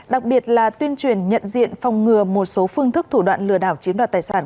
đặc biệt là tuyên truyền nhận diện phòng ngừa một số phương thức thủ đoạn lừa đảo chiếm đoạt tài sản